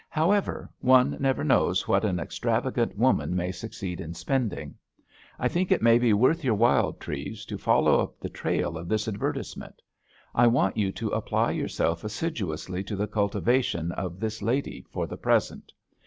However, one never knows what an extravagant woman may succeed in spending. I think it may be worth your while, Treves, to follow up the trail of this advertisement. I want you to apply yourself assiduously to the cultivation of this lady for the present.